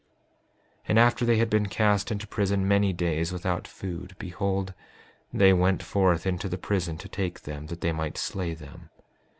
5:22 And after they had been cast into prison many days without food, behold, they went forth into the prison to take them that they might slay them.